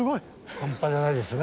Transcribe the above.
半端じゃないですね。